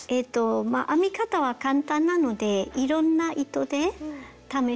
編み方は簡単なのでいろんな糸で試してほしいです。